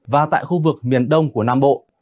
và tại khu vực miền đông của nam bộ